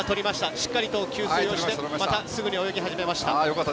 しっかり給水して、またすぐに泳ぎ始めました。